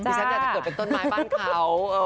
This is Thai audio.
ฉันอยากจะเกิดเป็นต้นไม้บ้านเขา